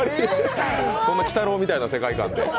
鬼太郎みたいな世界観で。